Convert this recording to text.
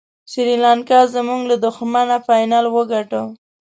سریلانکا زموږ له دښمنه فاینل وګاټه.